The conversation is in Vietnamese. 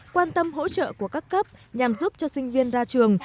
quan tâm hỗ trợ của các cấp nhằm giúp cho sinh viên ra trường